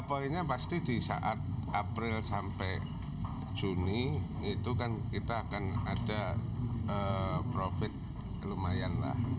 poinnya pasti di saat april sampai juni itu kan kita akan ada profit lumayan lah